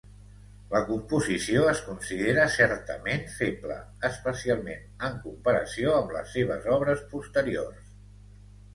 La composició es considera certament feble, especialment en comparació amb les seves obres posteriors.